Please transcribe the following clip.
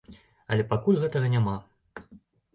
Але пакуль гэтага няма.